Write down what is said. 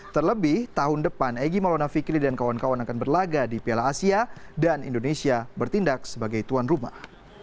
terlebih tahun depan egy maulona fikri dan kawan kawan akan berlaga di piala asia dan indonesia bertindak sebagai tuan rumah